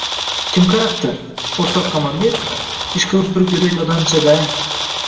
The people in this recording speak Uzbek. — Kim qarabdi, o‘rtoq komandir. Ishqilib, bir go‘dak odamcha-da.